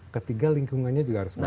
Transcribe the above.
ketiga lingkungannya juga harus meningkat